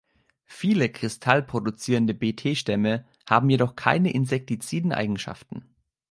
Viele kristallproduzierende Bt-Stämme haben jedoch keine insektiziden Eigenschaften.